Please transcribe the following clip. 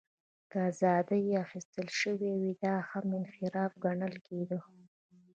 که ازادۍ اخیستل شوې وې، دا هم انحراف ګڼل کېده.